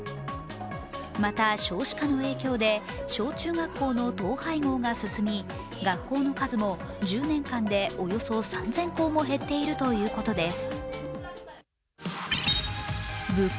また少子化の影響で、小中学校の統廃合が進み学校の数も１０年間でおよそ３０００校も減っているということです。